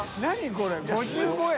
これ５５円。